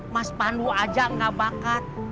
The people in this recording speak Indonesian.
mas pandu aja gak bakat